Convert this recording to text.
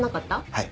はい。